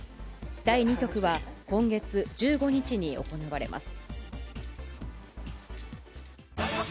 第２局は今月１５日に行われます。